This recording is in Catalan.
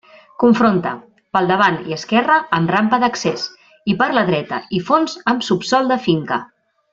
Confronta: pel davant i esquerra amb rampa d'accés; i per la dreta i fons amb subsòl de finca.